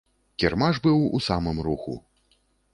Кірмаш быў у самым руху.